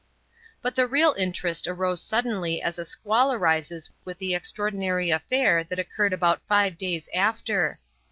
But the real interest arose suddenly as a squall arises with the extraordinary affair that occurred about five days after.